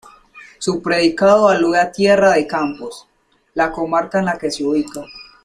Su predicado alude a Tierra de Campos, la comarca en la que se ubica.